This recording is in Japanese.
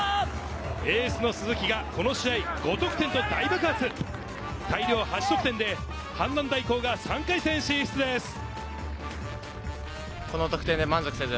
エースの鈴木がこの試合５得点の大爆発、大量８得点で阪南大校が３回戦進出です。